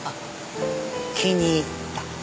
気に入った。